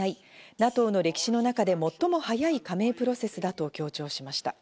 ＮＡＴＯの歴史の中で最も早い加盟プロセスだと強調しました。